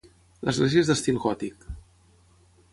L'església és d'estil gòtic.